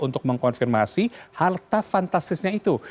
untuk mengkonfirmasi harta fantastisnya itu